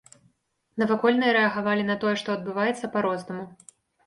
Навакольныя рэагавалі на тое, што адбываецца, па-рознаму.